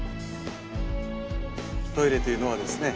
トイレというのはですね